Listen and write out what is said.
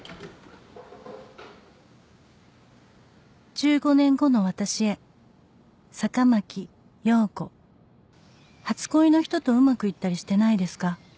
「１５年後の私へ坂巻洋子」「初恋の人とうまくいったりしてないですか」